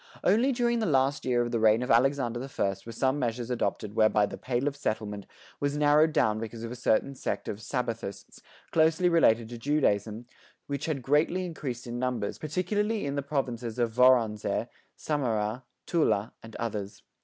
Only during the last year of the reign of Alexander the First were some measures adopted whereby the "Pale of Settlement" was narrowed down because of a certain sect of "Sabbathists," closely related to Judaism, which had greatly increased in numbers, particularly in the provinces of Voronezh, Samara, Tula, and others.